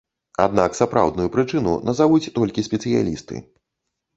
Аднак сапраўдную прычыну назавуць толькі спецыялісты.